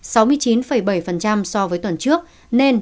so với tuần trước nên